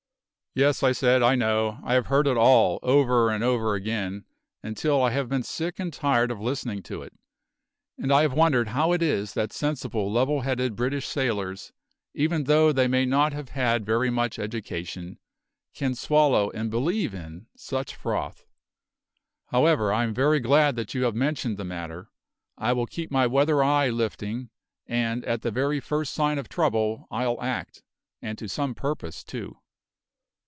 "Yes," I said, "I know. I have heard it all, over and over again, until I have been sick and tired of listening to it; and I have wondered how it is that sensible, level headed British sailors, even though they may not have had very much education, can swallow and believe in such froth. However, I am very glad that you have mentioned the matter; I will keep my weather eye lifting, and at the very first sign of trouble I'll act, and to some purpose, too."